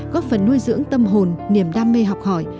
góp phần nuôi dưỡng tâm hồn niềm đam mê học hỏi